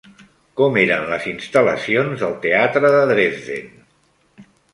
Com eren les instal·lacions del teatre de Dresden?